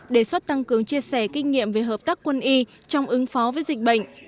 đề xuất tăng cường chia sẻ kinh nghiệm về hợp tác quân y trong ứng phó với dịch bệnh